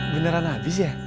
beneran habis ya